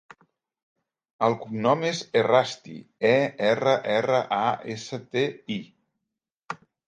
El cognom és Errasti: e, erra, erra, a, essa, te, i.